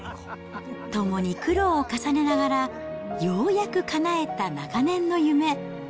共に苦労を重ねながら、ようやくかなえた長年の夢。